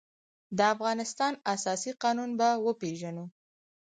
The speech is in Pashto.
د افغانستان اساسي قانون به وپېژنو.